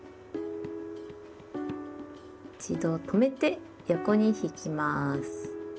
一度止めて横に引きます。